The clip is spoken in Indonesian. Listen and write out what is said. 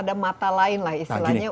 ada mata lain lah istilahnya